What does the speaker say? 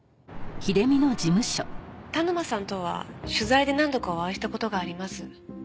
田沼さんとは取材で何度かお会いした事があります。